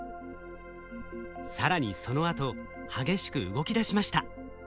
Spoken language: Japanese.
更にそのあと激しく動きだしました。